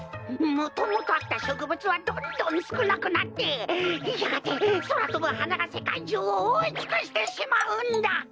もともとあったしょくぶつはどんどんすくなくなってやがてそらとぶはながせかいじゅうをおおいつくしてしまうんだ。